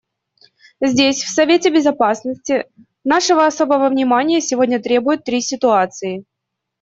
Здесь, в Совете Безопасности, нашего особого внимания сегодня требуют три ситуации.